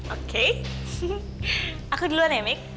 oke aku duluan ya mic